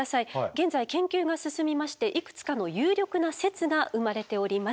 現在研究が進みましていくつかの有力な説が生まれております。